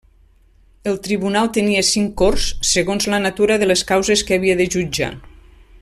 El tribunal tenia cinc corts segons la natura de les causes que havia de jutjar.